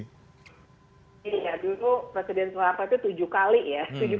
iya dulu presiden soeharto itu tujuh kali ya